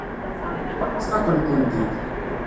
Sfaqen-kent-id.